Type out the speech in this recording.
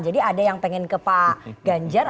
jadi ada yang pengen ke pak ganjar